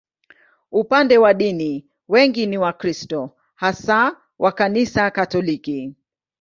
Upande wa dini, wengi ni Wakristo, hasa wa Kanisa Katoliki.